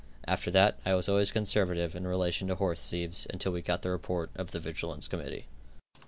After that I was always conservative in relation to horsethieves until we got the report of the vigilance committee.